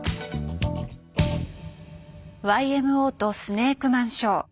ＹＭＯとスネークマンショー。